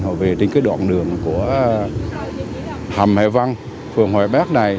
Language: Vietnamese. họ về trên đoạn đường của hầm hải vân phường hội bác này